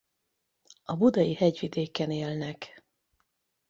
A budai Hegyvidéken élnek.